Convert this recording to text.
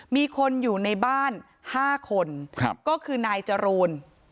มีคนอยู่ในบ้าน๕คนก็คือนายจรูน